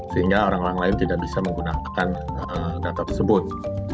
sehingga orang orang lain tidak bisa menggunakan data tersebut